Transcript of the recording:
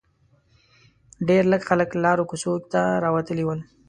ډېر لږ خلک لارو کوڅو ته راوتلي ول.